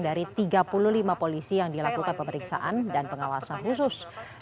dari tiga puluh lima polisi yang dilakukan pemeriksaan dan pengawasan khusus